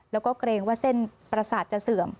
แล้วก็เกรงว่าเส้นประสาทจะเสื่อม